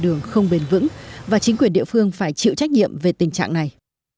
đường không bền vững và chính quyền địa phương phải chịu trách nhiệm về tình trạng này